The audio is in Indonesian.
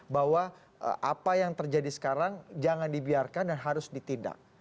bahwa apa yang terjadi sekarang jangan dibiarkan dan harus ditindak